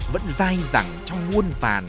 vẫn dai rẳng trong nguồn phản